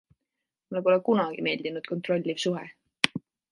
Mulle pole kunagi meeldinud kontrolliv suhe.